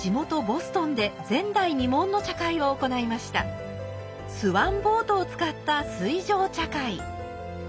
スワンボートを使った水上茶会。